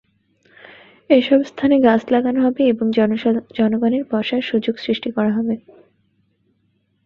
এসব স্থানে গাছ লাগানো হবে এবং জনগণের বসার সুযোগ সৃষ্টি করা হবে।